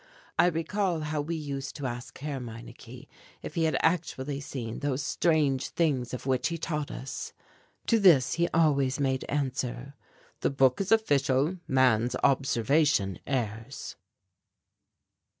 I recall how we used to ask Herr Meineke if he had actually seen those strange things of which he taught us. To this he always made answer, "The book is official, man's observation errs."